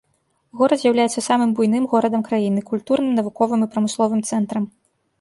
Горад з'яўляецца самым буйным горадам краіны, культурным, навуковым і прамысловым цэнтрам.